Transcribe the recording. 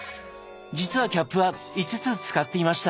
実はキャップは５つ使っていました！